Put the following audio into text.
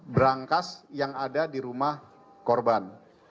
berangkas yang ada di rumah korban